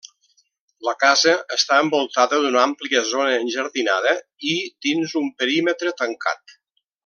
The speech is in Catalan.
La casa està envoltada d'una àmplia zona enjardinada i dins un perímetre tancat.